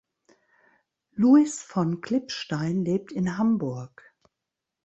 Louis von Klipstein lebt in Hamburg.